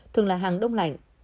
thường là hàng đông lạnh